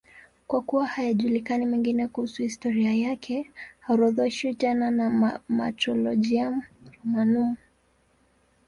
Kwa kuwa hayajulikani mengine kuhusu historia yake, haorodheshwi tena na Martyrologium Romanum.